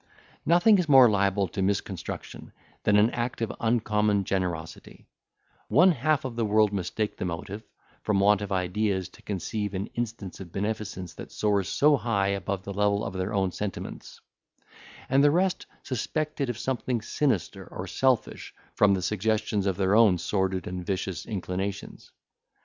Nothing is more liable to misconstruction than an act of uncommon generosity; one half of the world mistake the motive, from want of ideas to conceive an instance of beneficence that soars so high above the level of their own sentiments; and the rest suspect it of something sinister or selfish, from the suggestions of their own sordid and vicious inclinations.